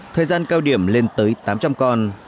thời gian cao điểm lên tới tám trăm linh con